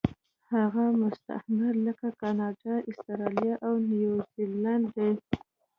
هغه مستعمرې لکه کاناډا، اسټرالیا او نیوزیلینډ دي.